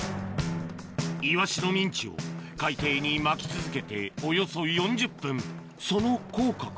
イワシのミンチを海底にまき続けておよそ４０分その効果か？